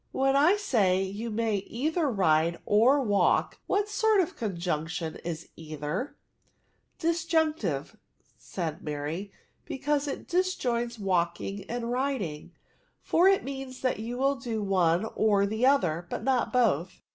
" When I say, * You may either ride or walk/ what sort of conjunction is either ?'*" Disjunctive," said Mary, " because it disjoins walking and riding ; for it means that you will do one or the other, but not both.